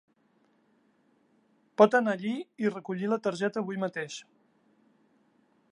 Pot anar allí i recollir la targeta avui mateix.